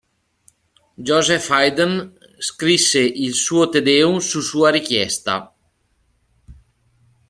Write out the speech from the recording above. Joseph Haydn scrisse il suo Te Deum su sua richiesta.